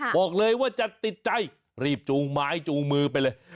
บอกเลยว่าจะติดใจรีบจูงไม้จูงมือไปเลย